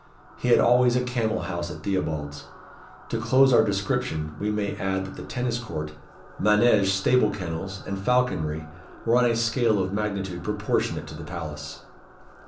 He had always a camel house at Theobalds. To close our description, we may add that the tennis court, manége stable kennels, and falconry were on a scale of magnitude proportionate to the palace.